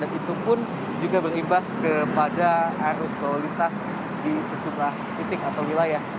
dan itupun juga berimbas kepada harus kualitas di sejumlah titik atau wilayah